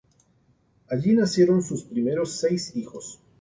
Allí nacieron sus primeros seis hijos.